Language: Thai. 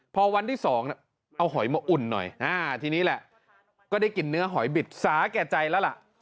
พอวันที่๒เอาหอยมาอุ่นหน่อยทีนี้แหละก็ได้กินเนื้อหอยบิดสาแก่ใจแล้วล่ะ